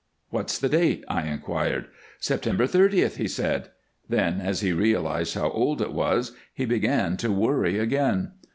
"What's the date?" I inquired. "September thirtieth," he said. Then, as he realized how old it was, he began to worry again.